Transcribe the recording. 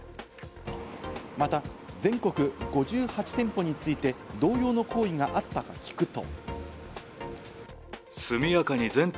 また全国５８店舗について同様の行為があったか聞くと。